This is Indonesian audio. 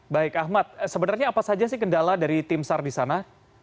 baik ahmad sebenarnya apa saja sih kendala dari tim sar di sana